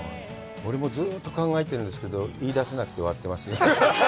俺もずうっと考えてるんですけど、言い出せなくて終わってます。